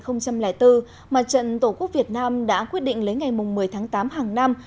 năm hai nghìn bốn mặt trận tổ quốc việt nam đã quyết định lấy ngày một mươi tháng tám hàng năm